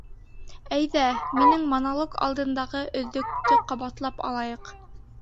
Әйҙә, минең монолог алдындағы өҙөктө ҡабатлап алайыҡ.